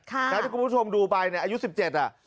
ฉะนั้นถ้าผู้ชมดูใบอายุ๑๗อะ